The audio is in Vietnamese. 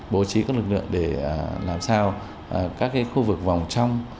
bố trí các lực lượng để làm sao các khu vực vòng trong